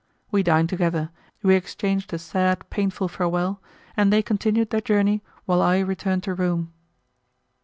We dined together, we exchanged a sad, painful farewell, and they continued their journey while I returned to Rome.